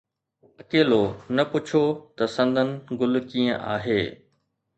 اڪيلو، نه پڇو ته سندن گل ڪيئن آهي